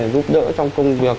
giúp đỡ trong công việc